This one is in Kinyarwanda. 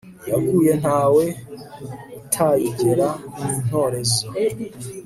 iyaguye ntawe utayigera intorezo